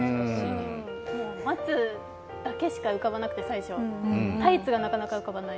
待つだけしか最初浮かばなくてタイツが、なかなか浮かばない。